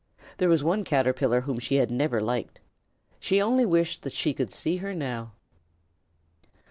There was one Caterpillar whom she had never liked. She only wished that she could see her now.